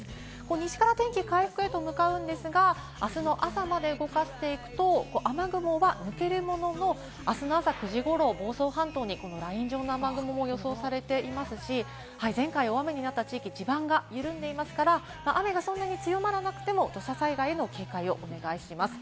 西から天気が回復へと向かうんですが、あすの朝まで動かしていくと、雨雲は抜けるものの、あすの朝９時頃、房総半島にライン状の雨雲が予想されていますし、前回、大雨になった地域、地盤が緩んでいますから、雨がそんなに強まらなくても土砂災害への警戒をお願いします。